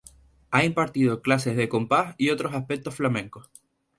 Ha impartido clases de compás y otros aspectos flamencos.